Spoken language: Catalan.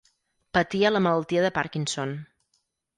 Patia la malaltia de Parkinson.